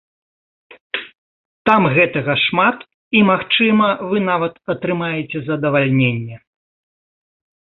Там гэтага шмат і, магчыма, вы нават атрымаеце задавальненне.